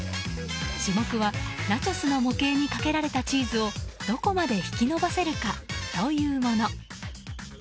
種目は、ナチョスの模型にかけられたチーズをどこまで引き伸ばせるかというもの。